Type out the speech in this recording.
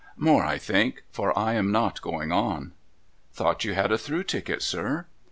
' More, I think. — For I am not going on.' ' Thought you had a through ticket, sir ?